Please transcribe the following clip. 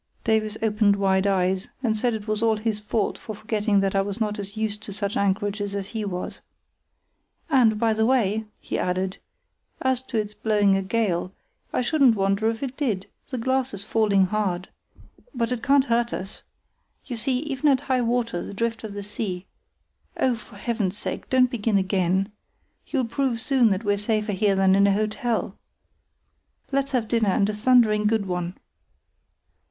Davies opened wide eyes, and said it was all his fault for forgetting that I was not as used to such anchorages as he was. "And, by the way," he added, "as to its blowing a gale, I shouldn't wonder if it did; the glass is falling hard; but it can't hurt us. You see, even at high water the drift of the sea——" "Oh, for Heaven's sake, don't begin again. You'll prove soon that we're safer here than in an hotel. Let's have dinner, and a thundering good one!"